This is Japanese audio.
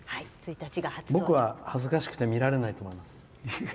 僕は恥ずかしくて見られないと思います。